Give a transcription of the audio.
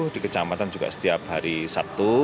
di kecamatan juga setiap hari sabtu